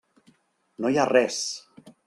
No hi ha res.